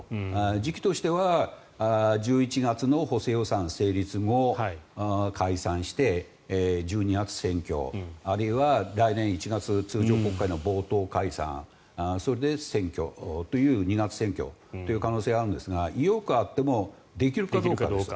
時期としては１１月の補正予算成立後に解散して１２月選挙あるいは来年１月、通常国会の冒頭解散それで２月選挙という可能性があるんですが意欲はあってもできるかどうか。